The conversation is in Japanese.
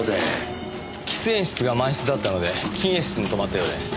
喫煙室が満室だったので禁煙室に泊まったようで。